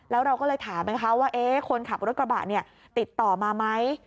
แล้วเราก็เลยถามไหมคะว่าคนขับรถกระบะเนี่ยติดต่อมาไหม